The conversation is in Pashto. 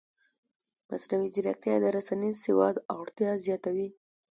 مصنوعي ځیرکتیا د رسنیز سواد اړتیا زیاتوي.